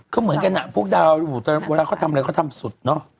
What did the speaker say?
ก็เหมือนกันอ่ะพวกดาวเวลาเขาทำอะไรเขาทำสุดเนอะ